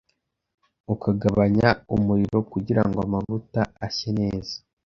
ukagabanya umuriro kugirango amavuta ashye neza